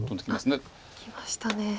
きましたね。